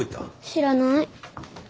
知らない。